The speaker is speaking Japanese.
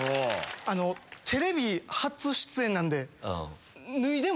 あのテレビ初出演なんで。